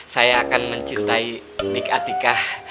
saya akan mencintai big atika